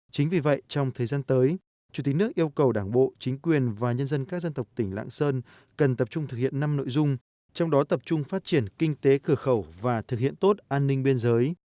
chính vì vậy trong thời gian tới chủ tịch nước yêu cầu đảng bộ chính quyền và nhân dân các dân tộc tỉnh lạng sơn cần tập trung thực hiện năm nội dung trong đó tập trung phát triển kinh tế cửa khẩu và thực hiện tốt an ninh biên giới